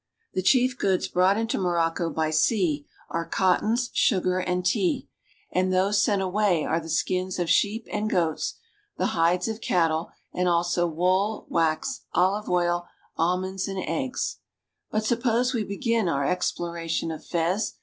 The chief goods brought into Morocco by sea are cottons, sugar, and tea ; and those sent away are the skins of sheep and goats, the hides of cattle, and also wool, wax, olive oil, almonds, and eggs. But suppose we begin our exploration of Fez.